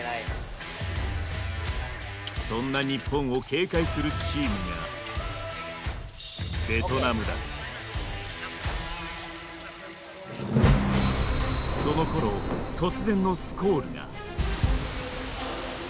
そんな日本を警戒するチームがそのころ突然のスコールが。